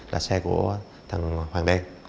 là xe của thằng hoàng đen